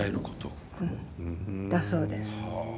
だそうです。